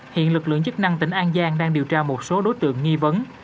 hiện lực lượng chức năng tỉnh an giang đang điều tra một số đối tượng nghi vấn